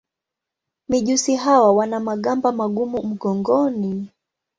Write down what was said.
Mijusi hawa wana magamba magumu mgongoni.